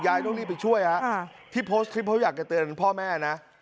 ต้องรีบไปช่วยฮะที่โพสต์คลิปเขาอยากจะเตือนพ่อแม่นะ